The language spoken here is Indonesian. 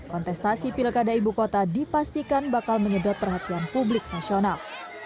kontestasi pilkada ibu kota dipastikan bakal menyedot perhatian publik nasional